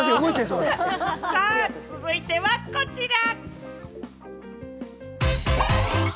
続いてはこちら！